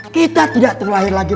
kita tidak terlahir lagi menjadi manusia